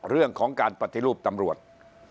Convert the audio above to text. เรื่องของการปฏิรูปตำรวจ